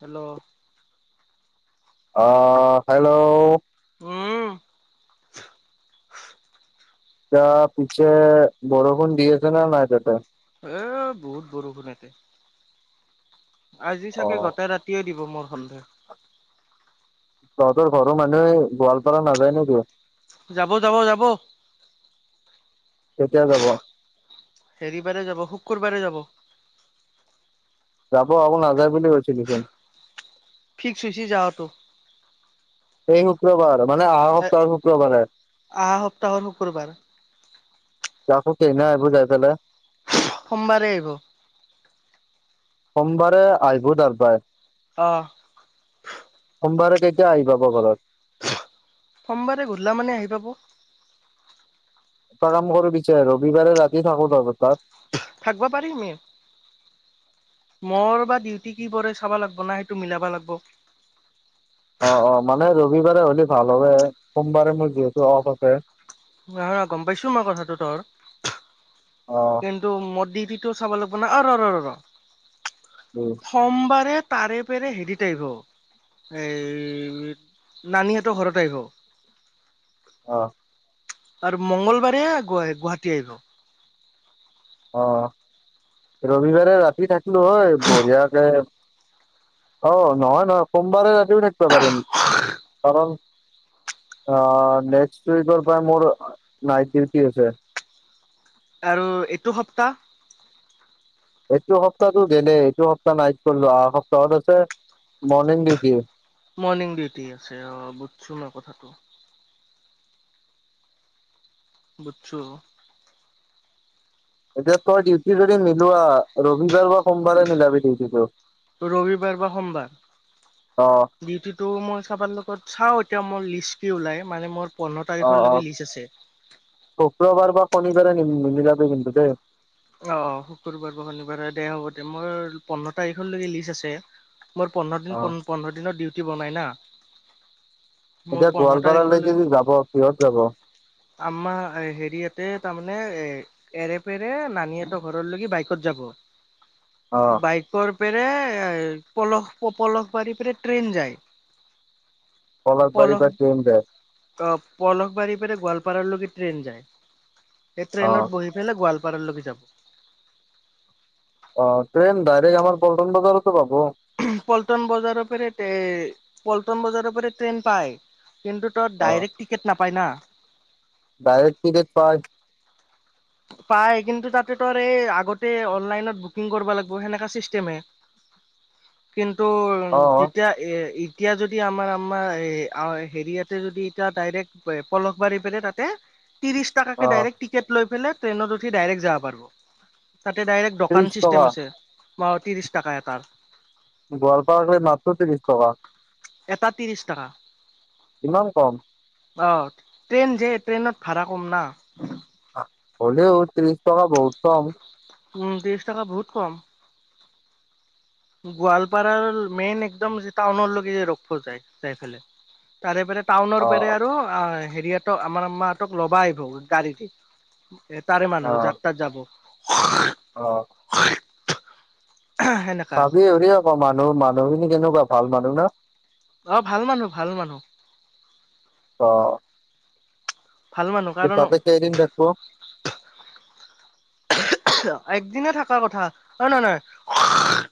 Hello? অহ, hello? উম। এতিয়া পিচে বৰষুণ দি আছে নে নাই তাতে? এ বহুত বৰষুণ এতে আজি অ চাগে গতে ৰাতি বিৱুমৰ হন্দ [unintelligible] তহঁতৰ ঘৰৰ মানুহে গোৱালপাৰা নাযায় নেকি? যাব-যাব-যাব। কেতিয়া যাব? হেৰিবাৰে যাব শুকুৰবাৰে যাব। যাব আক নাযায় বুলি কৈছে দেখোন। ফিক্স হৈছি যাৱাটো। এই শুক্ৰবাৰ মানে আহা সপ্তাহৰ শুক্ৰবাৰে। আহা সপ্তাহৰ শুক্ৰবাৰ। তে আকো কেহিনা আহিব যাই ফেলে? সোমবাৰে আহিব। সোমবাৰে আহিব তাৰ পাই। অহ। সোমবাৰে কেতিয়া আহি পাব ঘৰত? সোমবাৰে গধুলা মানে আহি পাব। এটা কাম কৰিব বিচাৰে ৰবিবাৰে ৰাতি থাকো তহতৰ তাত। থাকবা পাৰিমে। মোৰ বা ডিউটি কি বাৰে চাবা লাগিব না সেইটো মিলাবা লাগিবো। অ', অ', মানে ৰবিবাৰে হ'লে ভাল হব, সোমবাৰে মোৰ যিহেতু অফ আছে। নহয়-নহয় গম পাইছো মই কথাটো তৰ। অ'। কিন্তু ম দিওতিটো চাব লাগিবো না অ', ৰ-ৰ। উম। সোমবাৰে তাৰে পেৰে হেৰিত আইভু। এই নানি হাঁতৰ ঘৰত আহিবো। অ। আৰু মংগলবাৰে গুৱাহাটী আহিব। অ', ৰবিবাৰে ৰাতি থাকিলো হয় বঢ়িয়াকে অ', নহয়-নহয় সোমবাৰে ৰাতিও থাকিব পাৰিম, কাৰণ অ', নেক্স উইকৰ পৰা মোৰ নাইট ডিউটি আছে। আৰু এইটো সপ্তাহ এইটো সপ্তাহটো গেলে এইটো সপ্তাহ নাইট কৰিলো অহা সপ্তাহত আছে মৰ্ণিং ডিউটি। মৰ্ণিং ডিউটি আছে অ, বুজছো মই কথাটো। বুজছো অ এতিয়া তই ডিউটি যদি মিলোৱা ৰবিবাৰ বা সোমবাৰে মিলাবি ডিউটিটো ৰবিবাৰ বা সোমবাৰ অ ডিউটিটো মই চাবাৰ লগত চাওঁ এতিয়া মোৰ লিষ্ট কি ওলাই, মানে মোৰ পোন্ধৰ অ অ তাৰিখলৈকে লিষ্ট আছে। শুক্ৰবাৰ বা শনিবাৰে নিমিলাবি কিন্তু দেই। অ অ শুকুৰবাৰ বা শনিবাৰে দে হ'ব দে মোৰ পোন্ধৰ তাৰিখলৈকে লিষ্ট আছে। মোৰ পোন্ধৰ দিন অ পোন্ধৰ দিনৰ ডিউটি বনাই না। মোৰ এতিয়া পোন্ধৰ তাৰিখলৈ গোৱালপাৰালৈকে যে যাব কিহঁত যাব? আমাৰ হেৰিয়াতে তাৰমানে এ এৰেপেৰে নানিহতৰ ঘৰৰলৈকি বাইকত যাব অ বাইক কৰ পেৰে পল পলসবাৰী পৰা ট্ৰেইন যায়। পলসবাৰীৰ পলস পৰা ট্ৰেইন যায়। অ', পলহবাৰীৰ পৰা গোৱালপাৰালকে ট্ৰেইন যায়। সেই অ ট্ৰেইনত বহি এইবিলাক গোৱালপাৰালকে যাব। অ', ট্ৰেইন ডাইৰেক্ট আমাৰ পল্টন বজাৰতো পাব। পল্টন বজাৰৰ পেৰে পল্টন বজাৰৰ পেৰে ট্ৰেইন পায় কিন্তু ত ডাইৰেক্ট টিকেট নাপায় না ডাইৰেক্ট টিকেট পাই পাই কিন্তু তাতেতো এই আগতে অনলাইনত বুকিং কৰিব লাগিব সেনেকা চিষ্টেমে হে [inaudible] কিন্তু অ যেতিয়া এ এতিয়া যদি আমাৰ আমাৰ হেৰিয়াতে যদি এতিয়া ডাইৰেক্ট পলসবাৰী পেৰে তাতে ত্ৰিছ থকাকে অ ডাইৰেক্ট টিকট লৈ পেলাই ট্ৰেইনত উঠি ডাইৰেক্ট যাব পাৰিব। তাতে ডাইৰেক্ট দোকান ত্ৰিশ টকা চিষ্টেম আছে ম ত্ৰিশ টকা এটাৰ। গোৱালপাৰালৈ মাত্ৰ ত্ৰিশ টকা। এটাত ত্ৰিশ টাকা। ইমান কম। অ ট্ৰেইন যে ট্ৰেইনত ভাড়া কম না হ'লেও ত্ৰিশ টকা বহুত কম উম ত্ৰিশ টকা বহুত কম গোৱালপাৰাৰ মেইন একদম যে টাউনৰলৈকে যে ৰখব যায় যাইফালে তাৰে পৰা টাউনৰ অ পেৰে আৰু অ হেৰিয়াত ত আমাৰ মাহঁতক ল'বা আহিব গাড়ী এ তাৰে অ মানুহ যাত্ৰাত যাব [unintelligible] অ হয় এহ চাবি হেৰি আকৌ মানুহ মানুহখিনি কেনেকোৱা ভাল মানুহ না অ ভাল মানুহ ভাল মানুহ অ ভাল মানুহ এই কাৰণ বাপেকে এদিন থাকব একদিনে থকাৰ কথা অ নহয় নহয়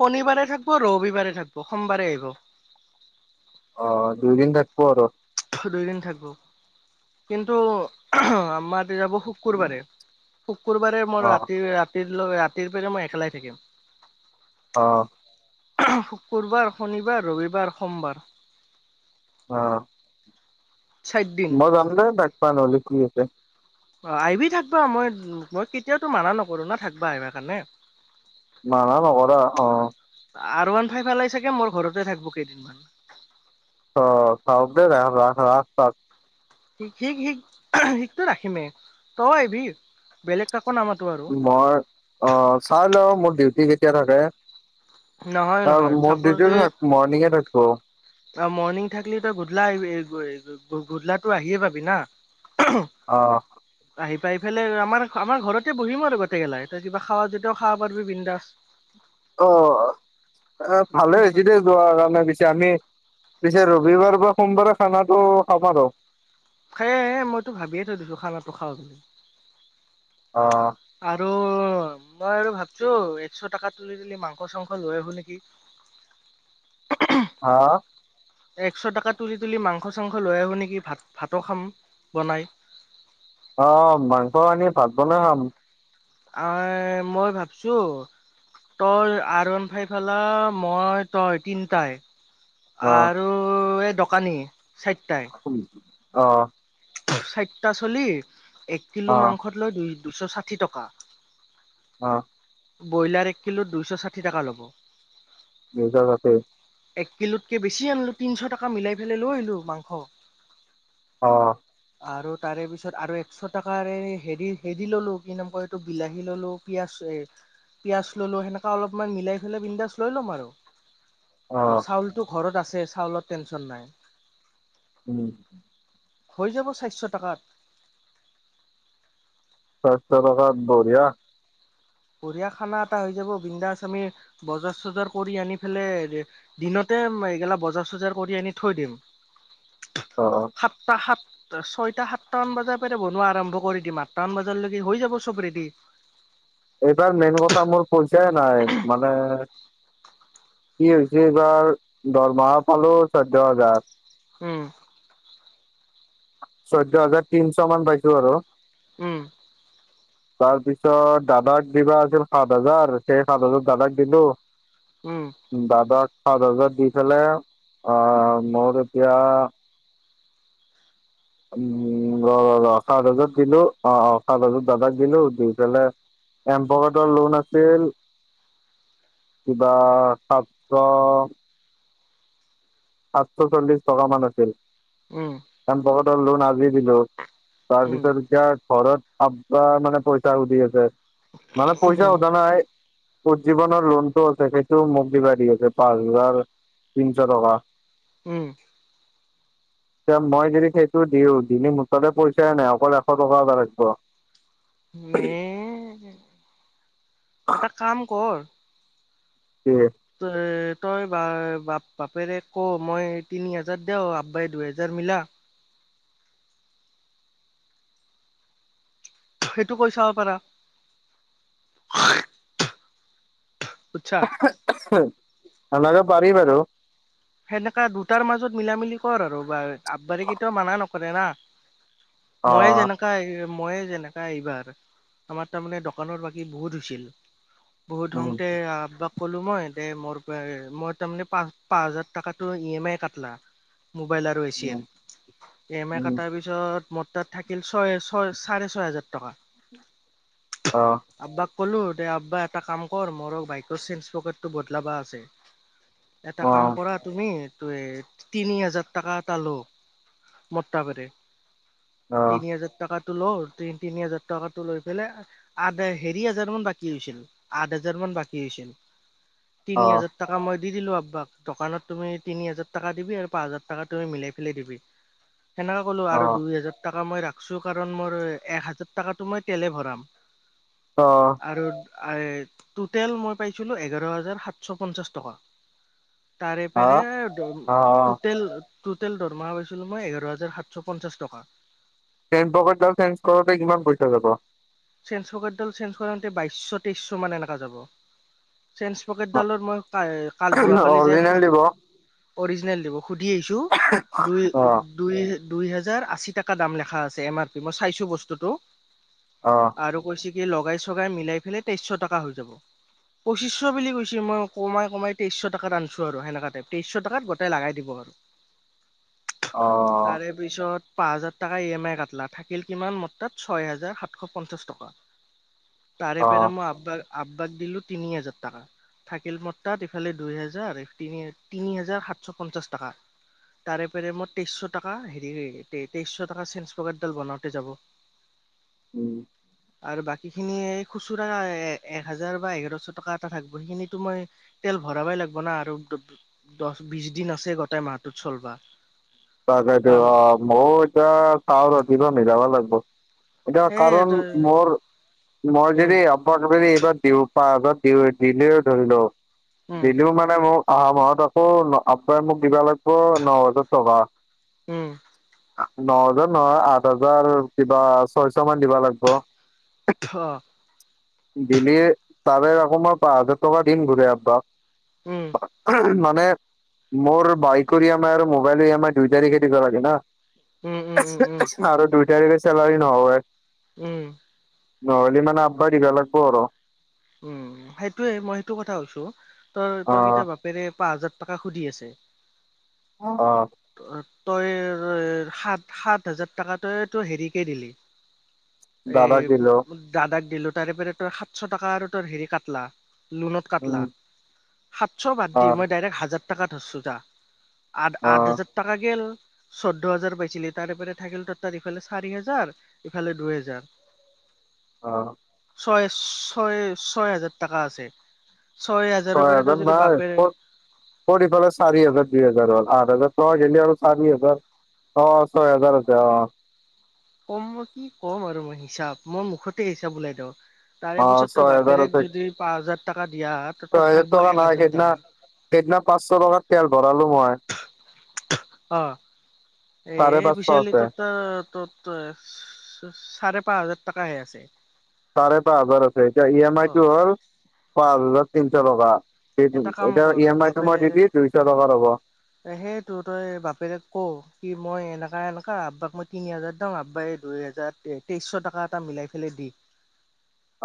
শনিবাৰে থাকিব ৰবিবাৰে থাকিব সোমবাৰে আহিব অ দুইদিন থাকব আৰু দুই দিন থাকিব কিন্তু আমাৰ যাব শুকুৰবাৰে শুকুৰবাৰে মই অ ৰাতি ৰাতিৰ ৰাতিৰ পে মই একেলাই থাকিম। অ'। শুকুৰবাৰ, শনিবাৰ, ৰবিবাৰ, সোমবাৰ। অ'। চাৰিদিন মই যাম দেই হ'লে কি আছে। অ, আহিবি থাকিবা মই, মই কেতিয়াওটো মানা নকৰো না থাকিবা আহিবা কাৰণে। মানা নকৰা অ'। আৰু ওান ফাই ফালাই চাগে মই ঘৰতে থাকিবো কেইদিনমান। অ, ৰাস্তা। শিক, শিক, শিকতটো ৰাখিমেই তই এবি বেলেগ কাকো নামাতো আৰু মই অ, চাই ল মোৰ ডিউটি কেতিয়া থাকে। নহয় নহয় মোৰ চাপজ ডিউটি থাকে মৰ্ণিঙে থাকো। ত মৰ্ণিং থাকিলি তই গোধলা আহিবি গধলাটো আহিয়ে পাবি না। অ'। আহি পাই ইফালে আমাৰ আমাৰ ঘৰতে বহিম আৰু গোটেইগেলা তই কিবা খাৱা যেতিয়াও খাব পাৰিবি বিন্দাছ। অ, এ ভালে সেনেকা হৈছে দে। লোৱাৰ কাৰণে পিছে আমি পিছে ৰবিবাৰ বা সোমবাৰে খানাটো খাম আৰু। সেয়ে মইতো ভাবিয়ে থৈ দিছো খানা টো খাও বুলি। অ'। আৰু। মই আৰু ভাবছো একশ টকা তুলি, তুলি মাংস চাংস লৈ আহিব নেকি? হা। একশ টকা তুলি তুলি মাংস, চাংস লৈ আহো নেকি? ভাত ভাততো খাম বনাই। অ, মাংস আনি ভাত বনাই খাম। অ, মই ভাবছো। তই আৰন ফাই ফালা মই তই তিনটাই। আৰু এই দোকানী চাৰিটাই। অ'। চাৰটা চলি এক কিলো অ মাংসত লৈ দুই দুইশ ষাঠি টকা। অ'। ব্ৰইলাৰ এক কিলোত দুইশ ষাঠি টকা ল'ব। নিজৰ তাতে। এক কিলোতকে বেছি আনিলো তিনিশ টকা মিলাই পেলাই লৈ আহিলো মাংস। অ'। আৰু তাৰে পিছত আৰু একশ টকাৰ হেৰি হেৰি ললো কি নাম কয় এইটো বিলাহী ললো। পিয়াজ এই পিয়াজ ললো সেনেকোৱা অলপমান মিলাই পেলাই বিন্দাছ লৈ ল'ম আৰু অ আৰু চাউলতো ঘৰত আছে চাউলত টেনচন নাই। উম। হৈ যাব চাৰিশ টকাত। চাৰশ টাকাত বঢ়িয়া। বঢ়িয়া খানা এটা হৈ যাব বিন্দাচ আমি বজাৰ চজাৰ কৰি আনি পেলে। দিনতে এইগিলা বজাৰ-চজাৰ কৰি আনি থৈ দিম। অ, অ। সাতটা সাত। ছয়টা, সাতটামান বজাৰ পেৰে বনোৱা আৰম্ভ কৰি দিম। আঠটামান বজালৈকে হৈ যাব চব ৰেডি। এইবাৰ মেইন কথা মোৰ পইচাই নাই মানে। কি হৈছে এইবাৰ দৰমহা পালো চৈধ্য হাজাৰ। উম। চৈধ্য হাজাৰ তিনশ মান পাইছো আৰু উম। তাৰ পিছত দাদাক দিবা আছিল সাত হাজাৰ সেই সাত হাজাৰ দাদাক দিলো উম দাদাক সাত হাজাৰ দি পেলাই আ মোৰ এতিয়া উম পোন্ধৰ সাত হাজাৰ দিলো অ অ সাত হাজাৰ দাদাক দিলো দি পেলাই এম্পকডৰ লোন আছিল কিবা সাতশ সাতশ চল্লিশ টকা মান আছিল উম এমপকডৰ লোন আজি দিলো তাৰপিছত এতিয়া ঘৰত আবা মানে পইচা সুধি আছে মানে পইচা উম সোধা নাই উজ্জীৱনৰ লোনটো আছে সেইটো মোক দিবা দি আছে পাঁচ হাজাৰ তিনশ টকা উম এতিয়া মই যদি সেইটো দিওঁ দিলে মোৰ তাতে পইচাই নাই অকল এশ টকা এটা থাকিব নি এটা কাম কৰ কি ত তই বা বাপ বাপেৰেক ক মই তিনি হাজাৰ দেও আব্বাই দুহেজাৰ মিলা সেইটো কৈ চাব পাৰা আচ্ছা বনাব পাৰি বাৰু সেনেকা দুটাৰ মাজত মিলা - মিলি কৰ আৰু বা আববাৰী কেতিয়াও মানা নকৰে না? অ মই যেনেকা এই মই যেনেকা এইবাৰ, আমাৰ তাৰমানে দোকানৰ বাকী বহুত হৈছিল। বহুত উম ধঙতে আ তোমাক ক'লো মই দে মোৰ পে মই তাৰমানে পাঁচ পাঁচ হাজাৰ টাকাটো ই এম আই কাটলা মোবাইল আৰু এ উম চিৰ, ই এম আই উম কাটাৰ পিছ ত মোৰ তাত থাকিল ছয় ছয় চাৰে ছয় হাজাৰ টকা অ আব্বাক কলো দে আব্বা এটা কাম কৰ মোৰো বাইকৰ চেঞ্জ পকেটতো বহদলাবা আছে এটা অ কাম কৰা তুমি ত তিনি হাজাৰ টকা এটা ল মোতা পেৰে অ তিনি হাজাৰ টকাটো লও তি তিনি হাজাৰ টকাটো লৈ পেলাই আঠ হেৰি হাজাৰ মান বাকী হৈছিল আঠ হাজাৰ মান বাকী হৈছিল তিনি অ হাজাৰ টকা মই দি দিলো আব্বাক দোকানত তুমি তিনি হাজাৰ টাকা দিবি আৰু পাঁচ হাজাৰ টাকা তুমি মিলাই পেলাই দিবি। সেনেকে ক'লো আৰু দুই হাজাৰ টাকা মই ৰাখছো কাৰণ মোৰ এক হাজাৰ টাকাতো মই তেলে ভৰাম। অ। আৰু আই টোটেল মই পাইছিলো এঘাৰ হাজাৰ সাতশ পঞ্চাছ টকা। তাৰে অ পেৰে অ টোটেল টোটেল দৰমহা পাইছিলো মই এঘাৰ হাজাৰ সাতশ পঞ্চাশ টকা। চেঞ্জপকেটডাল চেঞ্জ কৰোতে কিমান পইচা যাব? চেঞ্চপকেটডাল চেঞ্চ কৰাতে বাইশ তেইশ মান এনেকা যাব, চেঞ্চ পকেটডালত মই কা কাট যোৱাকালি যে অৰিজিনেল দিব অ অৰিজিনেল দিব। সুধি আহিছো দুই অ দুই দুই হেজাৰ আশী টাকা দাম লেখা আছে এম আৰ পি, মই চাইছো বস্তুটো। অ। আৰু কৈছে কি লগাই চগাই মিলাই পেলাই তেইশ টকা হৈ যাব। পঁচিশ বুলি কৈছে মই কমাই কমাই তেইশ টাকাত আনছো আৰু সেনেকা টাইপ তেইশ টাকাত ম তে লাগাই দিব আৰু। অ তাৰে পিছত পাঁচ হাজাৰ টাকা ই এম আই কাটলা, থাকিল কিমান মাত্ৰ ছয় হাজাৰ সাতশ পঞ্চাশ টকা, তাৰে অ পেৰে মই আব্বা আব্বাক দিলো তিনি হাজাৰ টাকা। থাকিল মৰ তাত ইফালে দুই হেজাৰ, এই তিনি তিনি হাজাৰ সাতছ পঞ্চাছ টাকা। তাৰে পেৰে মই তেইছ ছ টকা হেৰিৰে তে তেইছ ছ টকা চেঞ্চ [unintelligible] বনাওতে যাব। উম। আৰু বাকীখিনি এই খুচুৰা এক হাজাৰ বা এঘাৰছ টকা এটা থাকিব, সেইখিনিতো মই তেল ভৰাবই লাগব না আৰু দ দছ, বিছ দিন আছে গোটাই মাহটোত চলবা। তাকেটো কাৰণ অ মইও এতিয়া চাও ৰ কিবা মিলাবা লাগব'। এতিয়া সেয়ে কাৰণ তই মোৰ মই উম যদি [unintelligible] এইবাৰ দিও [unintelligible] দি দিলেও ধৰি ল উম দিলিও মানে মোক আহা মাহত আকৌ আপাৰ মোক দিব লাগব' ন হাজাৰ টকা। উম। ন হাজাৰ ন নহয়, আঠ হাজাৰ কিবা ছয় ছ মান দিবা লাগব'। অ। দিলি তাৰে আকৌ মই পাঁচ হাজাৰ টকা দিম ঘূৰে উম আব্বাক। উহুম, মানে মোৰ বাইকৰ ই এম আই আৰু মোবাইলৰ ই এম আই দুই তাৰিখে দিবা লাগে না। উম, উম। উম উম [unintelligible] আৰু দুই তাৰিখে চেলাৰি নহয়। উম। নহ'লি মানে আব্বাই দিবা লাগব' আৰু। উম সেইটোৱে। মই সেইটো কথা কৈছো। তই অ তক এতিয়া বাপেৰে পাঁচ হাজাৰ টকা সুদি আছে। অ। তই সাত সাত হাজাৰ টকা তই তোৰ হেৰিকে দিলি। এই দাদাক দিলো দাদাক দিলো। তাৰে পেৰে তোৰ সাত ছ টকা আৰু তোৰ হেৰি কাটলা লোনত কাটলা। উম সাতছ বাদ অ দি মই ডাইৰেক হাজাৰ টাকা ধৰছু যা, আঠ অ আঠ হাজাৰ টাকা গেল। চৈধ্য হাজাৰ পাইছিলি। তাৰেপেৰে থাকিল তৰ তাত ইফালে চাৰি হেজাৰ, ইফালে দুহেজাৰ। অ। ছয়-ছয়-ছয় হাজাৰ টাকা আছে, ছয় হাজাৰৰ পৰা তোৰ হাজাৰ যদি নাই বাপেৰে ক'ত ক'ত এইফালে চাৰি হাজাৰ দুই হাজাৰ হ'ল? আঠ হাজাৰ টকা গেলি আৰু চাৰি হাজাৰ অ, ছয় হাজাৰ আছে অ। ক'ম মই কি কম আৰু মই হিচাপ। মই মুখতে হিচাপ ওলাই দিও। তাৰে অ পিছত তই ছয় হাজাৰ বাপেৰেক আছে যদি পাঁচ হাজাৰ টাকা দিয়া তোৰ তাত ছয় হেজাৰ থাকিব টকা এক নাই। হাজাৰ টকা। সেইদনা সেইদনা পাঁচছ টকাৰ তেল ভৰালো মই। অ চাৰে এই পাঁচশ পিছে হলি আছে তোৰ তাত তত চ চাৰে পাঁচ হাজাৰ টকাহে আছে। চাৰে পাঁচ হাজাৰ আছে। এতিয়া ই এম অ'। আইটো হ'ল পাঁচ হাজাৰ তিনছ টকা। এটা [unintelligible] কাম এতিয়া কৰ ই এম আই টো মই দি দি দুই ছ টকা ৰ'ব। সেয়েটো তই বাপেৰক ক কি মই এনেকা এনেকা আব্বাক মই তিনি হাজাৰ দিও, আব্বাই দুইহাজাৰ এতিয়া তেইছ ছ টকা এটা মিলাই পেলে দি।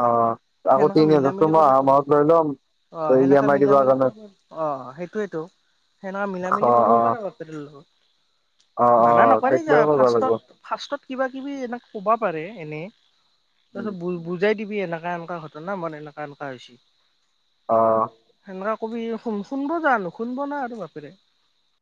অ আগৰ সেনেকা তিনি মিলা হাজাৰতো মিলি মই কৰিব অহা পাৰা। মাহত লৈ ল'ম। অ' তই ই সেনেকা এমাই অ সেইটোৱেটো। সেনেকা মিলা মিলি অ কৰিব অ পাৰা বাপেৰৰ অ লগত। অ মানা নকৰে যা। তেতিয়াও কৰিব লাগিব ফাৰ্ষ্টত ফাৰ্ষ্টত কিবা কিবি এনেকে ক'বা পাৰে এনে। তাৰপিছত ভূল বুজাই দিবি এনেকা এনেকা ঘটনা, মৰ এনেকা এনেকা হৈছি। অ। সেনকুৱা কবি। শুন শুনব যা, নুশুনব না আৰু বাপেৰে।